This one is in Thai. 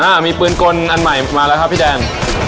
อ่ามีปืนกลอันใหม่มาแล้วครับพี่แดน